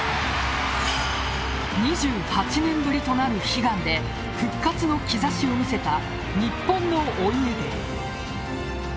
２８年ぶりとなる悲願で復活の兆しを見せた日本のお家芸。